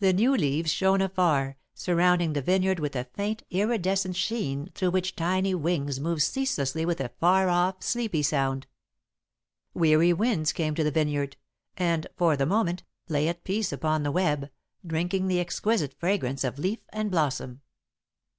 The new leaves shone afar, surrounding the vineyard with a faint, iridescent sheen through which tiny wings moved ceaselessly with a far off, sleepy sound. Weary winds came to the vineyard, and, for the moment, lay at peace upon the web, drinking the exquisite fragrance of leaf and blossom.